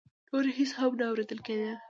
نور هېڅ هم نه اورېدل کېدل.